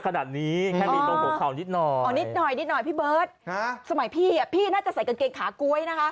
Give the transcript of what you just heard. แค่มีตรงหัวเขานิดหน่อยพี่เบิร์ตสมัยพี่พี่น่าจะใส่กางเกียร์ขากุ้ยนะคะ